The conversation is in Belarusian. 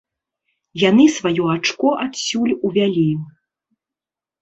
Яны сваё ачко адсюль увялі.